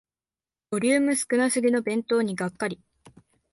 ボリューム少なすぎの弁当にがっかり